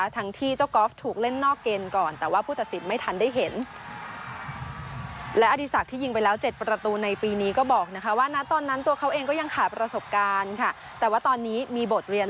ทั้งที่เจ้ากอล์ฟถูกเล่นนอกเกมก่อนแต่ว่าผู้ตัดสินไม่ทันได้เห็น